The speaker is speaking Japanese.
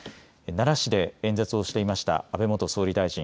奈良市で演説をしていました安倍元総理大臣。